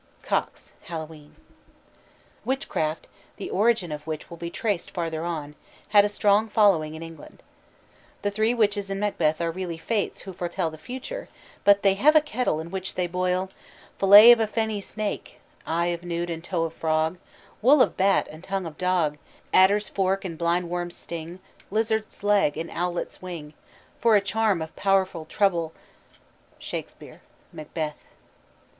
COXE: Hallowe'en. Devils. Witchcraft the origin of which will be traced farther on had a strong following in England. The three witches in Macbeth are really fates who foretell the future, but they have a kettle in which they boil "Fillet of a fenny snake, Eye of newt, and toe of frog, Wool of bat, and tongue of dog, Adder's fork, and blindworm's sting, Lizard's leg, and owlet's wing, For a charm of powerful trouble " SHAKSPERE: _Macbeth.